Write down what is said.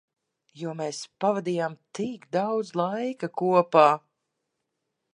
Jo mēs pavadījām tik daudz laika kopā.